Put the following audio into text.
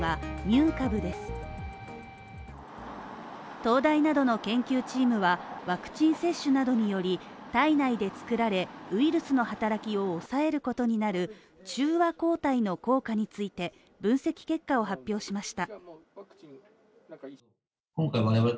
東大などの研究チームはワクチン接種などにより体内で作られウイルスの働きを抑えることになる中和抗体の効果について分析結果を発表しました